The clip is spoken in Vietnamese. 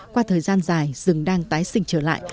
qua thời gian dài rừng đang tái sinh trở lại